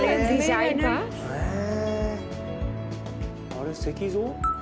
あれ石像？